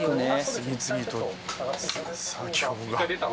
次々と作業が。